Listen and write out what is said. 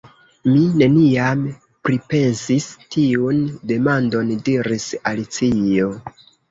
"Mi neniam pripensis tiun demandon," diris Alicio.